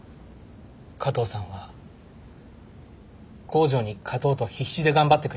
加藤さんは郷城に勝とうと必死で頑張ってくれました。